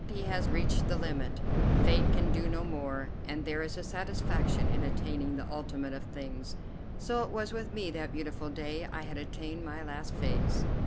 He has reached the limit; Fate can do no more; and there is a satisfaction in attaining the ultimate of things. So it was with me that beautiful day; I had attained my last phase.